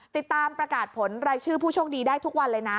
ติดตามประกาศผลรายชื่อผู้โชคดีได้ทุกวันเลยนะ